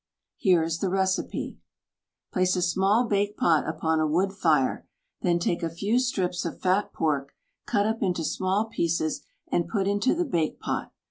Here is the recipe: Place a small bake pot upon a wood fire; then take a few strips of fat pork, cut up into small pieces and put into the bake pot.